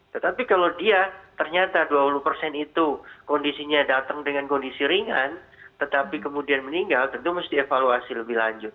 tetapi kalau dia ternyata dua puluh persen itu kondisinya datang dengan kondisi ringan tetapi kemudian meninggal tentu mesti evaluasi lebih lanjut